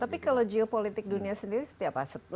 tapi kalau geopolitik dunia sendiri setiap aset